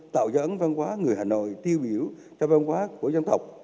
tạo dẫn văn hóa người hà nội tiêu biểu cho văn hóa của dân tộc